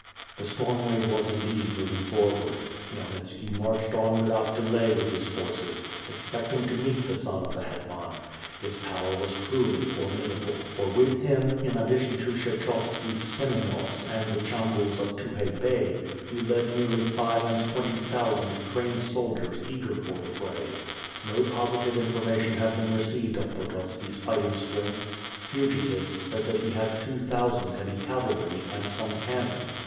The storm wave was indeed moving forward. Khmyelnit ski marched on without delay with his forces, expecting to meet the son of the bet num. His power was truly formidable, for with him, in addition to Ksheehovski's Smeneovs and tlie chambuls of Tukhay Bey, he led nearly five and twenty thou sand trained soldiers eager for the fray. No positive informa tion had been received of Pototski's fighting strenj^th. Vwn tives said that he had two thousand heavy cavalry, and somo cannon.